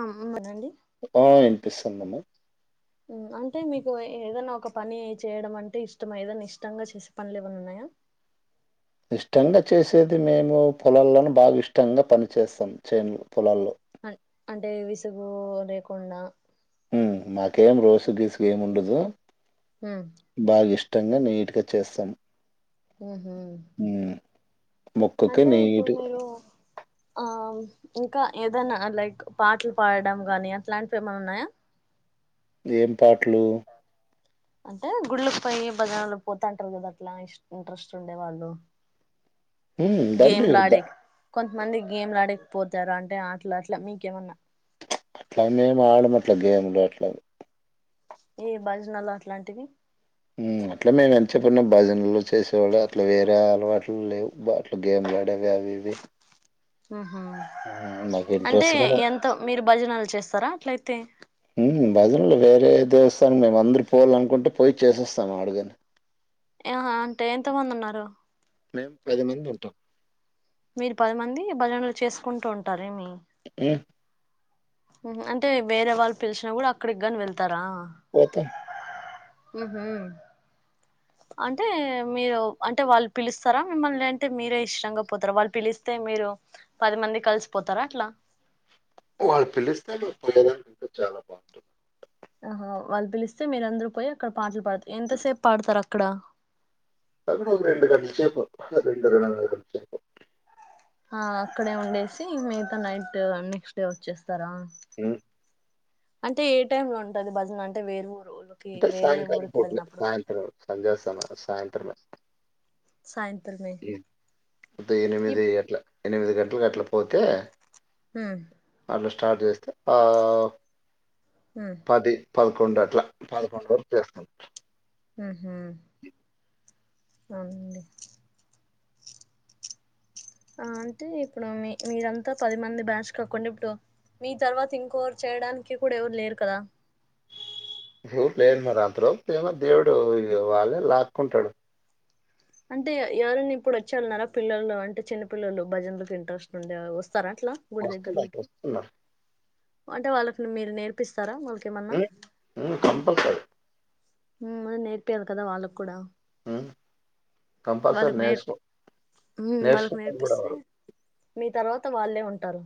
అమ్ మెదండి ఓయ్ వినిపిస్తుందమ్మా? అంటే మీకు ఏదనా ఒక పని చేయడం అంటే ఇష్టం ఏదైనా ఇష్టంగా చేసే పనులు ఏమన్నా ఉన్నాయా? ఇష్టంగా చేసేది మేము పొలాలను బాగా ఇష్టంగా పనిచేస్తాం. చెన్లు పొలాల్లో అన్ అంటే విసుగు అవి లేేకుండా మ్ మాకేం రోస్ గిసు ఏమి ఉండదు ఉమ్ బాగా ఇష్ ఇష్టంగా నీట్గా చేస్తాం. ఉహుమ్మ్ ముక్కకి నీటుగా ఆమ్ ఇంకా ఏదైనా లైక్ పాటలు పాడడం గాని, అట్లాంటివి ఏమనా ఉన్నాయా? ఏం పాటలు అంటే గుళ్ళకి పోయి భజన్లు పోతంటారు కదా అట్లా ఇ ఇంట్రెస్ట్ ఉండేవాళ్ళు. ఉ దండియొద్దా కొంతమంది గేమ్లు ఆడేకపోతారు. అంటే ఆటలు అట్లా మీకేమన్నా ప్చ్ అట్లా మేము ఆడము అట్ల గేమ్లు అట్ల ఈ భజనాలు అట్లాంటివి హు అట్లా మేము ఎంత చెప్పన్నా భజనలు చేసేవాళ్ళు అట్లా వేరే అలవాట్లు లేవు. అట్లు గేమ్లులాడేవి అ ఇది ఆ అంటే ఇంట్రెస్ట్‌గానే ఎంతో మీరు భజనాలు చేస్తారా అట్లయితే మ్ భజనలో వేరే దేవస్థానం మేము అందరూ పోవాలనుకుంటే పోయి చేసేస్తాము ఆడగాని ఏ హ అంటే ఎంత మంది ఉన్నారు? మేము పది మంది ఉంటాం. మీరు పది మంది భజనలు చేసుకుంటూ ఉంటారేమి హ్ ఉహ్మ్ అంటే వేరే వాళ్ళు పిలిచినా కూడా అక్కడికి గాని వెళ్తారా పోతాం ఉహుమ్ అంటే మీరు అంటే వాళ్ళు పిలుస్తారా మిమ్మల్ని అంటే మీరే ఇష్టంగా పోతారా వాళ్ళు పిలిస్తే అంటే మీరు పది మంది కలిసిపోతారా అట్లా వాళ్ళు పిలిస్తే నువ్వు పోయేదనివి చాలా [unintelligible] ఆహా వాళ్ళు పిలిస్తే మీరందరు పోయి అక్కడ పాటలు పాడతారు. ఎంతసేపు పాడతారు అక్కడ అక్కడ ఒక రెండు గంటల సేపు. అహ రెండు రెండున్నర గంటల సేపు ఆ అక్కడే ఉండేసి మిగతా నైట్ నెక్స్ట్ డే వచ్చేస్తారా? ఉమ్ అంటే ఏ టైమ్ లో ఉంటది భజన అంటే వేరు అంటే సాయంకాలం పోట్లే సాయంత్రం సంధ్యా సమయం సాయంత్రమే సాయింత్రమే ఉం, ఎనిమిది అట్లా ఎనిమిది గంటలుకి అట్లా ఉమ్ పోతే ఉమ్ అట్లా స్టార్ట్ చేస్తే ఆ పది పదకొండు అట్లా పదకొండు వరకు చేస్తాం ఉహ్మ్ అవునండి ఆ అంటే ఇప్పుడు మీ మీరంతా పది మంది బ్యాచ్ కాకుండా ఇప్పుడు మీ తర్వాత ఇంకోవరు చేయడానికి కూడా ఎవరు లేరు కదా బ్లాంక్ లేదు మరి అంతలోపు తే ఏమో దేవుడు ఇ వాళ్ళే లాక్కుంటడు అంటే ఎవరన్న ఇప్పుడు వచ్చేవాళ్ళున్నర పిల్లల్లో అంటే చిన్న పిల్లలు భజనలకి ఇంట్రెస్ట్ ఉండే వస్తు స్తార అట్లా గుడి వస్తున్నారు దగ్గర్లోకి వస్తున్నారు అంటే వాళ్ళకి మీరు నేర్పిస్తారా వాళ్ళకేమన్నా ఉం, ఉం, కంపల్సరీ ఉమ్ అదె నేర్పి అది కదా వాళ్ళకు కూడా ఉమ్ కంపల్సరీ వాళ్ళకి న నేర్ హ్మ్ వాళ్ళకి నేచనలో కూడా నేర్పిస్తే వారు మీ తర్వాత వాళ్ళే ఉంటారు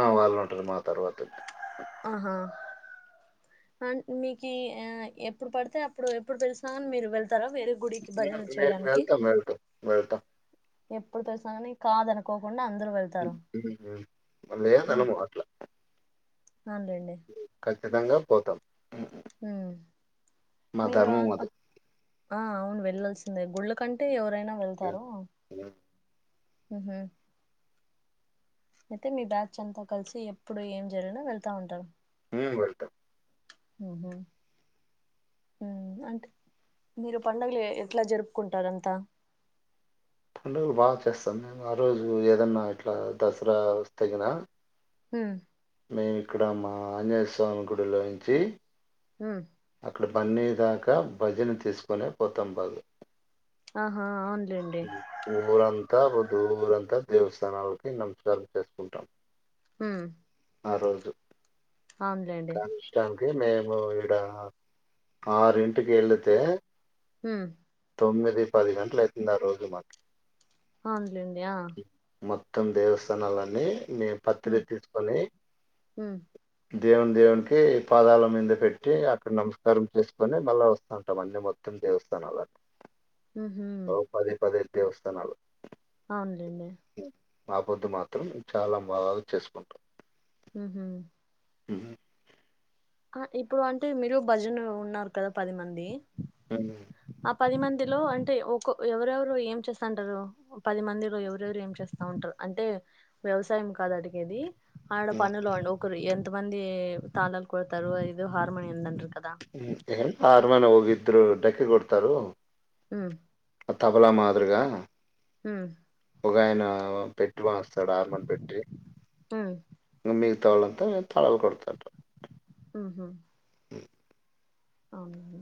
ఆ వాళ్ళు ఉంటరు మా తర్వాత అంటే మీకి ఆ ఎప్పుడు పడితే అప్పుడు ఎప్పుడు పిలిసినాగానీ మీరు వెళ్తారా వేరే గుడికి నేను భజనలు నేను చేయడానికి వెళ్తాం, వెళ్తాం, వెళ్తాం. ఎప్పుడు తెసాని కాదనుకోక లేయా తనము అట్లా ఆన్ లెండి ఖచ్చితంగా పోతాం హ్మ్. ఉమ్ మా మీరు ధర్మం అది. ఆ అవును వెళ్ళల్సి సింధే గుళ్ళకంటే ఎవరైనా హ్మ్. వెళ్తారు హ్మ్. అయితే మీ బ్యాచ్ అంతా కలిసి ఎప్పుడు ఏం జరిగినా వెళ్తా ఉంటారు ఉమ్ వెళ్తాం ఉహుమ్ మ్ అంటె మీరు పండగలు ఎ ఎట్లా జరుపుకుంటారంతా పండుగలు బాగా చేస్తాం మేము ఆ రోజు ఏదన్నా ఇట్లా దసరా వస్తేగినా హ్మ్ మేమిక్కడ మా ఆంజనేయ స్వామి గుడిలోంచి ఉమ్ అట్లా బన్నీ దాకా భజన చేసుకునే పోతాం బదు ఆహా అవునులేండి ఊరం తా రుధువురంతా దేవస్థానాలకి నమస్కారం చేసుకుంటాం హ్మ్ ఆ రోజు అవునులేండి అంటే మేము ఇడ ఆరింటికి వెళితే హ్మ్ తొమ్మిది పది గంటలయితుంది ఆ రోజు మాకి అవును లెండి ఆ మొత్తం దేవస్థానాలన్నీ మీ ఉమ్ పత్రిక్తీస్కొని ఉమ్ దేవున్దేవున్కి పాదాల మింద పెట్టి అక్కడ నమస్కారం చేసుకొని మళ్ళా ఓస్తావుంటమండి మొత్తం దేవస్థానాల ఉహ్మ్ దేవస్థానాలు ఔన్లెండి ఆ పొద్దు మాత్రం చాలా బాగా చేసుకుంటాం ఉమ్ హు ఉమ్ హు అ ఇప్పుడు అంటే మీరు భజనలో ఉన్నారు కదా పది మంది మ్ ఆ పది మందిలో అంటే ఒక ఒ ఎవరెవరు ఏం చేస్తంటారు పది మందిలో ఎవరెవరేం చేస్త్ టారు అంటే వ్యవసాయం కాదడిగేది ఆడ ఉమ్. పనులోండ్ ఒకరు ఎంత మంది తాళాలు కొడతారు ఏదో హార్మోనియన్ంద ఉమ్ హార్మొనీ ఒకిద్దరు డక్కి కొడతారు ఉమ్ తబలా మాదిరిగా ఉమ్ ఒక ఆయన పెట్టి వాస్తాడు ఆర్మల్ పెట్టి ఉమ్ ఇ మ్మ్ మిగతా వాళ్ళంతా తాళాల్ కొడతావుంటారు మ్ హు ఔనండి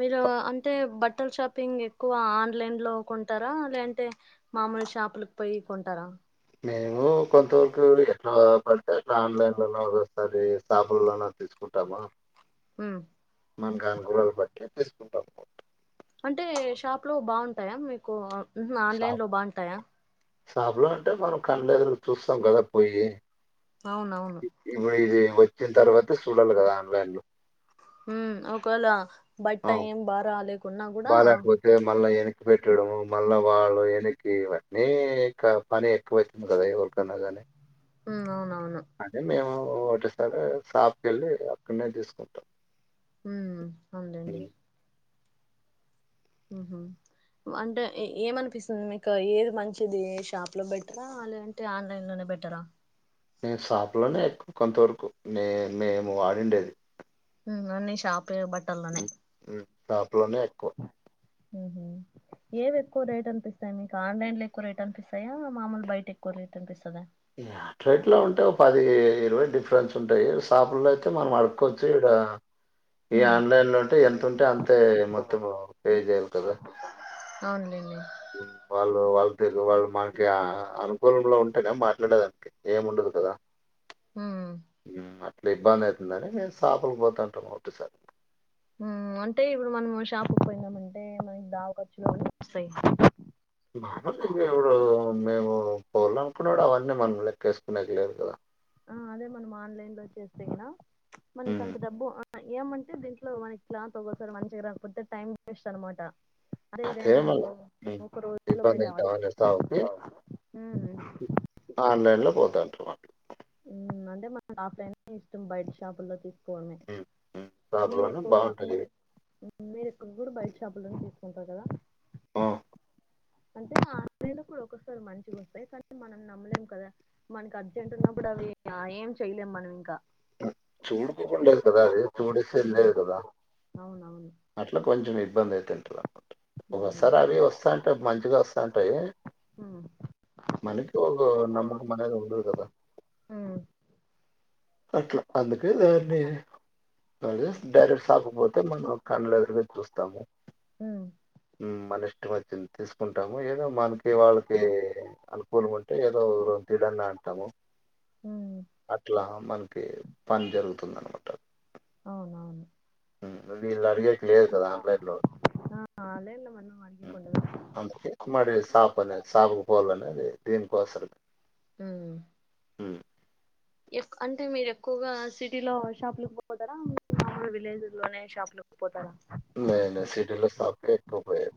మీరు అంటే బట్టల్షాపింగ్ ఎక్కువ ఆన్లైన్ లో కొంటారా లేఅంటే మా మామూల్ షాపులక్పోయి కొంటారా మేము కొంత వరకు ఎట్లా పడితే అట్లా ఆన్లైన్లోన ఒగోసారి షాపుల్లోనా తెచ్క్ టామ మ్ మనకు అనుకులాలు బట్టి తీస్కుంటాం అంటే షాప్ లో బావుంటాయా మీకు మ్ హ్ ఆన్లైన్ లో బావుంటాయా షాప్లో అంటే మనం కండ్లేదురుగ్ చూస్తాం గదా పోయి అవునవును ఇప్పుడు ఇది ఒచ్చిన్తర్వాతే సూడాల్ల గదా ఆన్లైన్ లో ఉమ్ ఒక వేల బట్ట అవును. యేం బ రాలే క్ బాలేకపోతే మళ్ళా ఎని కి పెట్టడము మళ్ళ వాళ్ళు ఎనిక్కి ఇవన్నీ క పని ఎక్కువైతుంది కదా ఎవల్కన్నా గనీ ఉమ్ ఔనౌను ఒటేసారి షాప్కెళ్ళి అక్కడ్నే తీస్కుంటాం ఉమ్ అవునులేండి ఉమ్ హు అంటే ఏ-ఏమనిపిస్తుంద్ మీకు ఏద్ మంచిది షాప్ లో బెటరా లేదంటే ఆన్లైన్ లోనే బె బెటరా మ్ షాపులోనే ఎక్కువ్ కొంతవరకు నే మేము వాడిండేది మ్ అన్ని షాపే బట్టల్లనే షాప్లోనే ఎక్కువ ఉమ్ హు ఏదెక్కువ రేట్ అనిపిస్తాయ్ మీక్ ఆన్లైన్ లో ఎక్కువ రేట్ అనిపిస్తాయా మామూల్ బైటెక్కువ రేట్ అనిపిస్ అట్లెట్ల ఉంటే ఓ పది ఇరవై డిఫరెన్స్ ఉంటాయి సాపుల్లో ఐతే మనం అడుక్కొచ్చిడ ఈ ఉమ్ ఆన్లైన్లుంటే ఎన్తుంటే అంతే మొత్తము పే చేయ్యాల్ కదా ఆవ్ హ్మ్. వాళ్ళు వాళ్ళు తెలుగు వాళ్ళు మన అ అనుకూలంలో ఉంటేనే మాట్లాడేదానికి ఏముండదు గదా మ్ ఇట్ల ఇబ్బంది అయితుందని మేము షాప్ పోతు ఉంటాము ఒకటెసారి అంటే ఇప్పుడు మనము షాప్ పొన్యము అంటే మనకి దావ ఖర్చులు వస్తాయి మారాము ఇంగ మేము పొలంకూడా అవని మనం లెక్కేసుకునేకి లేదు కదా ఆ అదే మనం ఆన్లైన్ లో చేస్తేగినా మనక హ్మ్. అంత డబ్బు ఏమంటే దీంట్లో మనకి క్లాత్ ఒకసారి మంచిగా రాక పోతే టైం వేస్ట్ అనమాట అదే ఇదైందినుకో ఒక్క రోజులో పోయి ఇబ్బంది తేవొచ్చు అవుతామని సావుకి అవునా ఉమ్ ఆన్లైన్ లో పోతాటావా అంటే మన ఓఫ్ఫ్లిన్ ఇష్టం బయట షాపులో తీ మ్ మ్ షాపులోనే బావుంటాది మీరు మీరు కుకూరు బయట షాపుల్లోనే తీసుకుంటారు కదా ఆ అంటే ఆన్లైన్లో కూడా ఒకసారి మంచిగా వస్తాయి కానీ మనం నమ్మలేం కదా మనకి అర్జెంట్ ఉన్న ప్పుడు అవి ఏం చేయాలేం మనం ఇంకా చూడకుండా అసుకోరాదే చూడస్తే ఉమ్, కదా అవునవును అట్లా కొచం ఇబ్బంది అయి తంటుంది ఉమ్, ఒక్కోసారి అవి వస్తాంటే మంచిగా వస్తాంటయి ఉమ్, మనకి ఒక నమ్మకం అనేది ఉండదు కదా ఉమ్, అట్లా అందుకు దాని పడే డైరెక్ట్ షాప్ పోతే మనం కండ్లువెట్టి చూస్తాము ఉమ్, మ్ మన ఇష్టం వచ్చింది తీసుకుంటాము ఏదో మనకి వాళ్ళకి అనుకూలగా ఉం టే ఏదో తిడడా అడతాము ఉమ్, అట్లా మనకి పని జరుగుతుందనమాట అవునవును మ్ వేళ్ళు అడిగేకి లేదు కదా ఆన్లైన్లో ఆన్లైన్లో మనం మ్ అడిగకుండా అందుకే మరీ సాపనే షాపుకు పోలనే అది దేనుకోసమే ఉమ్ ఎక్ అంటే మీరు ఎక్కువగా సిటీ లో షాపులకు పోతారా ఆ విలేజ్ లోనే షాప్ లో పోతారా నేను సిటీలో షాప్ కే ఎక్కువగా పోయేది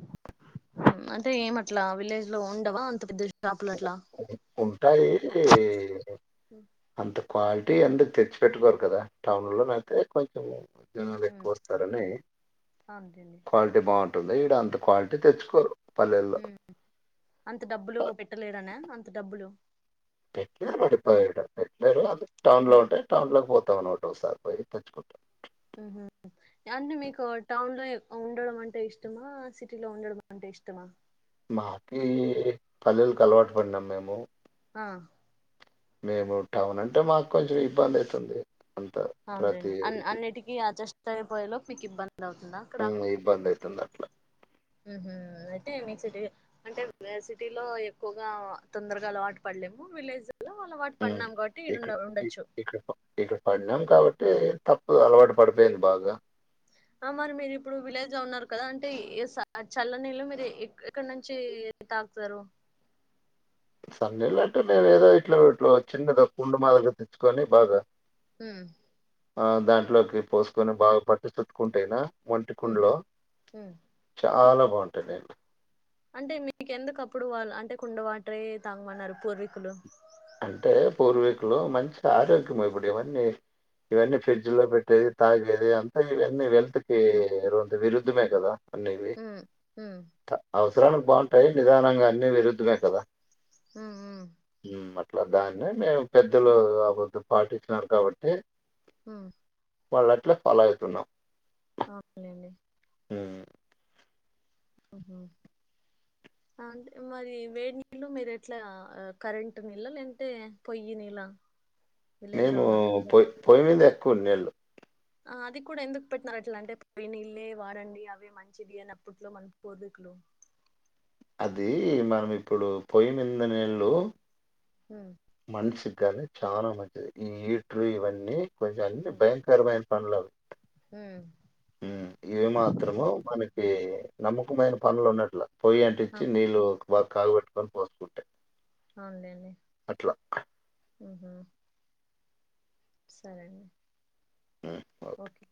అంటే ఎం అట్లా విలేజ్ లో ఉండవా అంత పెద్ద షాప్ ఉంటాయి అంత క్వాలిటీ ఎందుకు తెచ్చిపెట్టుకోరు కదా టౌన్లో అయితే కొంచెం జనాలు ఉమ్, ఎక్కువ వస్తారు ఆని అవునండి క్వాలిటీ బాగుంటుంది ఇడ అంత క్వాలిటీ తెచ్చుకోరు పల్లెల్లో ఉమ్ అంత డబ్బులు పెట్టలేడనా అంత డబ్బులు పెట్టలేరు పడిపోయి పెట్టలేరు అ టౌన్ లో ఉంటే టౌన్ లో పోతావునం ఒకటోసారి పోయి తెచ్చుకుంటా ఉహ్మ్ అంటే మీకు టౌన్ లో ఉండడం అంటే ఇష్టమా సిటీ లో ఉండడం అంటే ఇష్టం ఆ మాకి పల్లెలకు అలవాటు పడినాం మేము ఆ మేము టౌన్ అంటే మాకు కొంచం ఇబ్బంది అవుతుంది అంత అవును లెండి అన్ ప్రతి అన్నిటికీ అడ్జస్ట్ అయిపోయేలోపు మీకు ఇబ్బంది అవుతుందా అక్కడ ఉమ్ ఇబ్బంది అయితుంది అట్లా ఉహ్మ్ అంటే మీకు సిటీ అంటే సిటీ లో ఎక్కువగా తొందరగా అలవాటు పడలేము విలేజ్ అలో అలవాటు ఉమ్ పడిన్నాం కాబట్టి ఈడ ఇక్కడ ఇ- ఉండొచ్చు ఇక్కడ ప- ఇక్కడ పడినాం కాబట్టి తప్పు అలవాటు పడిపోయారు బాగా ఆ మరి మీరు ఇప్పుడు విలేజ్ లో ఉన్నారు కదా అంటే చల్లనీళ్ళు మీరు ఎక్కడ నుంచి కాస్తారు సుండేలంటే మేమోదో ఇట్లా చిన్నదెబ్బ పండూ మాదిరిగా తెచ్చుకొని బాగా ఉమ్ ఆ దాంట్లోకి పోసుకొని బాగా పట్టి చుట్టుకుంటేనా ఉ మట్టికుండలో ఉ చాలా బాగుంటాయి అండి అంటే మీకు ఎందుకప్పుడు వాళ్ళు అంటే కుండ వాటరే తాగమన్నారు పూర్వీకులు అంటే పూర్వీకులు మంచి ఆరోగ్యం ఇప్పుడి ఇవన్నీ ఇవన్నీ ఫ్రిడ్జ్ లో పెట్టేది తాగేది అంతా ఇవన్నీ హెల్త్ కి విరుద్ధమే కదా అనేవి ఉమ్ ఉమ్ అవసరానికి బాగుంటాయి నిదానంగా అన్ని విరుద్ధమే కదా ఉమ్ ఉమ్ ఉమ్ మ అట్లా దాన్నే మేము పెద్దలు ఆపోదు పాటించినారు కాబట్టి ఉమ్ వాళ్ళ అట్లే ఫాలో అయితున్నాం అవునులేండి ఉమ్ ఉహు అంటే మరి వేడి నీళ్ళు మీరు ఎట్లా కరెంట్ నీళ్ళ లేందంటే పొయ్యి నీళ మేము పొయ్యి పొయ్యి మీద ఎక్కువ నీళ్ళు ఆ అది కూడా ఎందుకు పెట్టినరట్లా అంటే పొయ్యి నీళ్ళే వాడండి అవే మంచిది అనప్పట్లో మన కోదు హలో అదీ మనం ఇప్పుడు పొయ్యిమీంద నీళ్ళు ఉమ్ మనుషిగానీ చాలా మంచిది ఈ హీటరు ఇవన్నీ కొంచెం అన్ని ఉమ్ భయంకరమైన పనులవి ఉమ్ ఉమ్ ఇవి మాత్రము మనకి నమ్మకమైన పనులు ఉన్నట్లే పొయ్యి ఆ అంటిచ్చి నీళ్ళు ఒక బాగ కాగుబట్టుకొని పోసుకుంటే అవునండి అట్లా. ఉంహు సరే అండి ఓకే